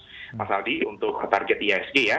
di angka enam tujuh ratus mas aldi untuk target iisg ya